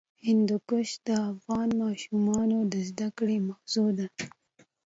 هندوکش د افغان ماشومانو د زده کړې موضوع ده.